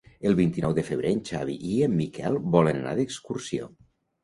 El vint-i-nou de febrer en Xavi i en Miquel volen anar d'excursió.